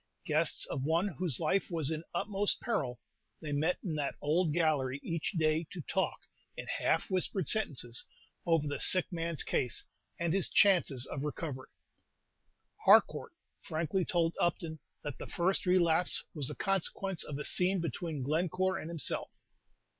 Guests of one whose life was in utmost peril, they met in that old gallery each day to talk, in half whispered sentences, over the sick man's case, and his chances of recovery. Harcourt frankly told Upton that the first relapse was the consequence of a scene between Glencore and himself.